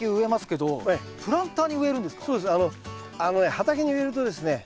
畑に植えるとですね